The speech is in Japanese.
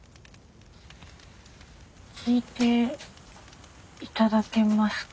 聞いていただけますか？